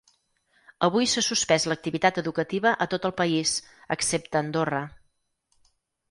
Avui s’ha suspès l’activitat educativa a tot el país, excepte a Andorra.